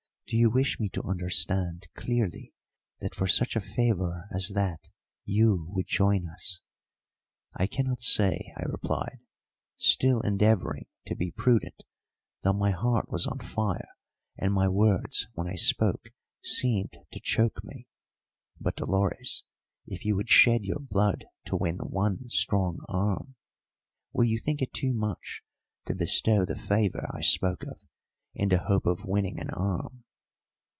Do you wish me to understand clearly that for such a favour as that you would join us?" "I cannot say," I replied, still endeavouring to be prudent, though my heart was on fire and my words when I spoke seemed to choke me. "But, Dolores, if you would shed your blood to win one strong arm, will you think it too much to bestow the favour I spoke of in the hope of winning an arm?"